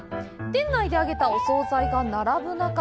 店内で揚げたお総菜が並ぶ中